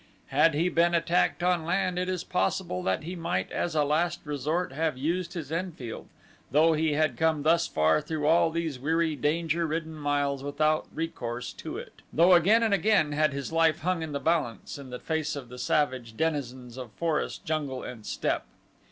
Had he been attacked on land it is possible that he might as a last resort have used his Enfield, though he had come thus far through all these weary, danger ridden miles without recourse to it, though again and again had his life hung in the balance in the face of the savage denizens of forest, jungle, and steppe.